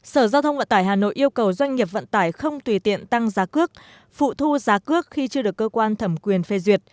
sở giao thông vận tải hà nội yêu cầu doanh nghiệp vận tải không tùy tiện tăng giá cước phụ thu giá cước khi chưa được cơ quan thẩm quyền phê duyệt